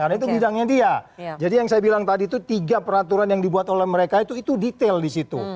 karena itu bidangnya dia jadi yang saya bilang tadi itu tiga peraturan yang dibuat oleh mereka itu detail di situ